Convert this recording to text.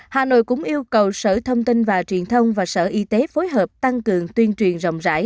hà nội cũng yêu cầu sở thông tin và truyền thông và sở y tế phối hợp tăng cường tuyên truyền rộng rãi